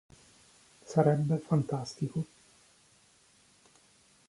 Sarebbe fantastico.